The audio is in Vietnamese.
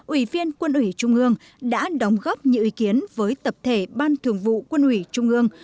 ủy viên quân ủy trung ương đã đóng góp nhiều ý kiến với tập thể ban thường vụ quân ủy trung ương